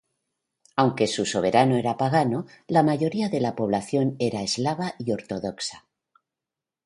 Aunque su soberano era pagano, la mayoría de la población era eslava y ortodoxa.